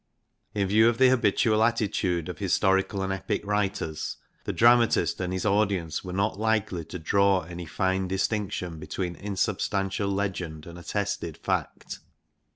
In view of the habitual attitude of historical and epic writers, the dramatist and his audience were not likely to draw any fine distinction between insubstantial legend, and attested fact.